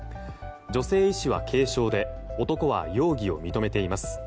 女性医師は軽傷で男は容疑を認めています。